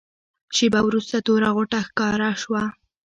شېبه وروسته توره غوټه ښکاره شوه.